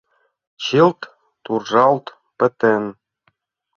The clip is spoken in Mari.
Чылт туржалт пытен!